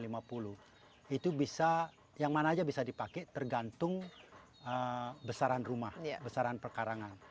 itu bisa yang mana aja bisa dipakai tergantung besaran rumah besaran perkarangan